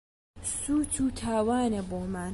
سووچ و تاوانە بۆمان